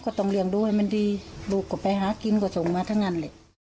ก็ต้องเลี้ยงด้วยมันดีลูกก็ไปหากินก็ต้องมาทั้งนั้นเลย